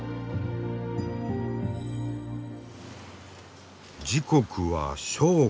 時刻は正午。